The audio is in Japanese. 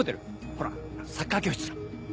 ほらサッカー教室の。